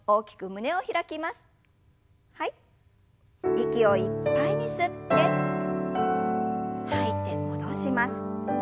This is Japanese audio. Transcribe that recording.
息をいっぱいに吸って吐いて戻します。